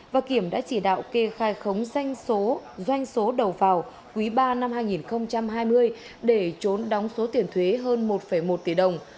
và kiểm đã chỉ đạo kê khai khống doanh số đầu vào quý ba năm hai nghìn hai mươi để trốn đóng số tiền thuế hơn một một tỷ đồng